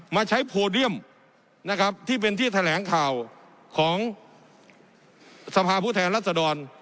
มาใช้โพเดียมนะครับที่เป็นที่แถลงข่าวของสภาผู้แทนรัศดร